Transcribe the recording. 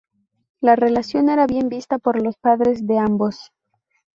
La relación era bien vista por los padres de ambos.